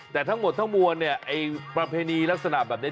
แต่ทั้งหมดทั้งมวลประเภณีลักษณะแบบนี้